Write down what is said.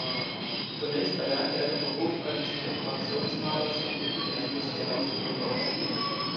Zunächst erlernte er den Beruf eines Dekorationsmalers und übte diesen bis zur Umsiedlung aus.